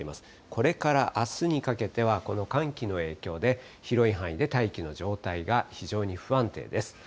これからあすにかけては、この寒気の影響で、広い範囲で大気の状態が非常に不安定です。